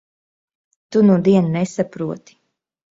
Tu nudien nesaproti.